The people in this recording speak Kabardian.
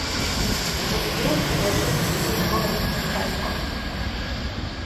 Мыбдеж бэджым зыми гу къылъитэхэнукъым.